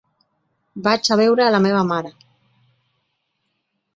Vaig a veure la meva mare.